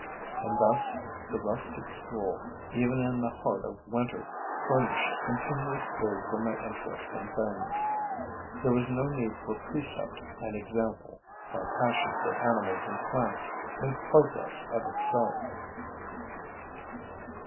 And thus the rustic school, even in the heart of winter, furnished continuous food for my interest in things. There was no need for precept and example: my passion for animals and plants made progress of itself.